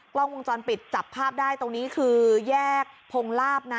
กล้องวงจรปิดจับภาพได้ตรงนี้คือแยกพงลาบนะ